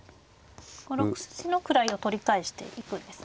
６筋の位を取り返していくんですね。